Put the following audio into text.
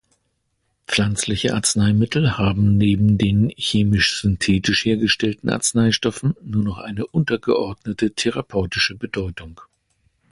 Pflanzliche Arzneimittel haben neben den chemisch-synthetisch hergestellten Arzneistoffen nur eine untergeordnete therapeutische Bedeutung.